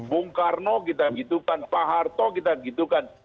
bung karno kita gitu kan pak harto kita gitu kan